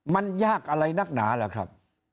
มันยากอะไรนักหนาล่ะครับ